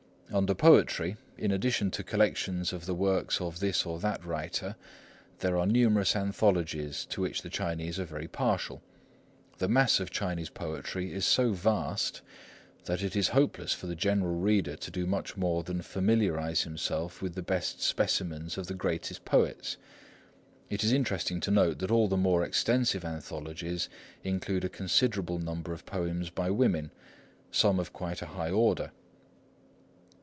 Under Poetry, in addition to collections of the works of this or that writer, there are numerous anthologies, to which the Chinese are very partial. The mass of Chinese poetry is so vast, that it is hopeless for the general reader to do much more than familiarise himself with the best specimens of the greatest poets. It is interesting to note that all the more extensive anthologies include a considerable number of poems by women, some of quite a high order.